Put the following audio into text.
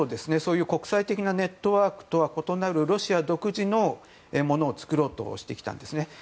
そういう国際的なネットワークとは異なるロシア独自のものを作ろうとしてきたんですね。